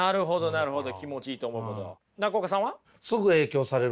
なるほど。